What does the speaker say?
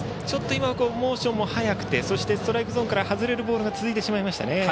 ちょっと今、モーションも速くてストライクゾーンから外れるボールが続いてしまいましたね。